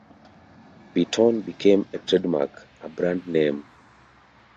Beeton' became a trade mark, a brand name.